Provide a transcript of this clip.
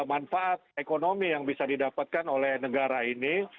manfaat ekonomi yang bisa didapatkan oleh negara ini